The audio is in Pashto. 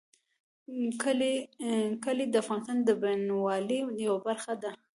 کلي د افغانستان د بڼوالۍ یوه برخه ده.